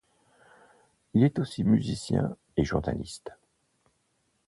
Il est aussi musicien et journaliste.